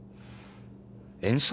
演奏？